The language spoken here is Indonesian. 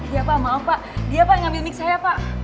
iya pak maaf pak dia pak yang ambil mic saya pak